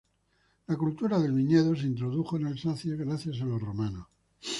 La cultura del viñedo se introdujo en Alsacia gracias a los romanos.